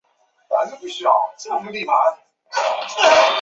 有野晋哉与滨口优是国中与高中同学。